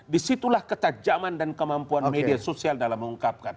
disitulah ketajaman dan kemampuan media sosial dalam mengungkapkan